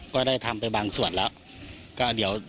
ก็ได้ทำไปบางส่วนแล้ว